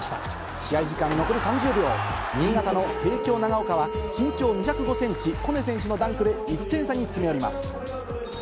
試合時間残り３０秒、新潟の帝京長岡は身長２０５センチ、コネ選手のダンクで、１点差に詰め寄ります。